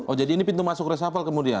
oh jadi ini pintu masuk reshuffle kemudian